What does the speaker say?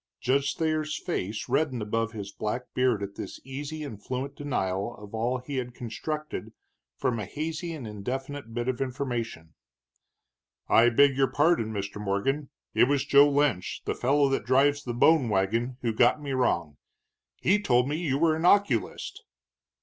Judge Thayer's face reddened above his thick beard at this easy and fluent denial of all that he had constructed from a hasty and indefinite bit of information. "I beg your pardon, Mr. Morgan. It was Joe Lynch, the fellow that drives the bone wagon, who got me wrong. He told me you were an oculist."